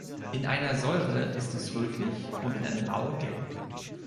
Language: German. In einer Säure ist es rötlich und in einer Lauge gelb.